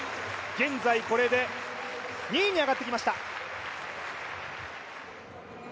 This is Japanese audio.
現在これで２位に上がってきました